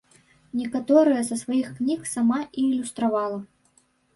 Некаторыя са сваіх кніг сама і ілюстравала.